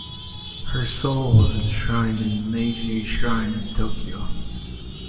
Her soul was enshrined in Meiji Shrine in Tokyo.